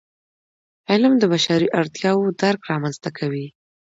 علم د بشري اړتیاوو درک رامنځته کوي.